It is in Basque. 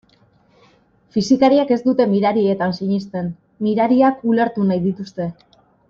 Fisikariek ez dute mirarietan sinesten, mirariak ulertu nahi dituzte.